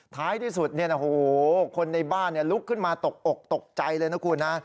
ท้ายที่สุดคนในบ้านลุกขึ้นมาตกอกตกใจเลยนะคุณนะ